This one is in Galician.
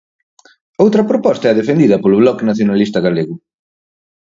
Outra proposta é a defendida polo Bloque Nacionalista Galego.